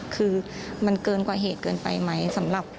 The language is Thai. คือมันเกินกว่าเหตุเกินไปไหม